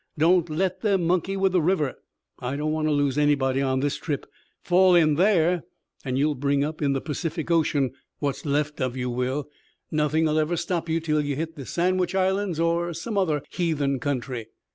Don't let them monkey with the river. I don't want to lose anybody this trip. Fall in there, and you'll bring up in the Pacific Ocean what's left of you will. Nothing ever'll stop you till you've hit the Sandwich Islands or some other heathen country."